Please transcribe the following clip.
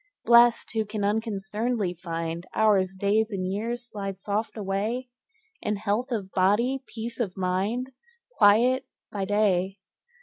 Blest, who can unconcern'dly find Hours, days, and years, slide soft away In health of body, peace of mind, Quiet by day.